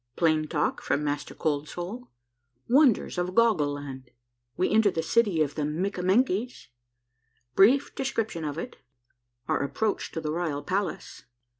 — PLAIN TALK FROM MASTER COLD SOUL. — WONDERS OF GOGGLE LAND. — WE ENTER THE CITY OF THE MIKKAMENKIES. — BRIEF DE SCRIPTION OF IT. — OUR APPROACH TO THE ROYAL PALACE.